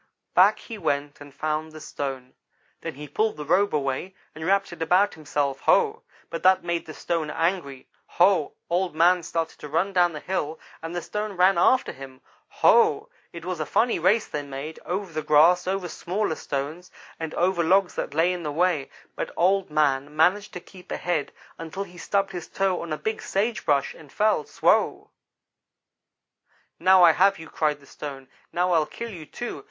"Back he went and found the stone. Then he pulled the robe away, and wrapped it about himself. Ho! but that made the stone angry Ho! Old man started to run down the hill, and the stone ran after him. Ho! it was a funny race they made, over the grass, over smaller stones, and over logs that lay in the way, but Old man managed to keep ahead until he stubbed his toe on a big sage brush, and fell swow! "'Now I have you!' cried the stone 'now I'll kill you, too!